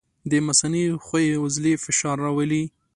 د مثانې ښویې عضلې فشار راولي.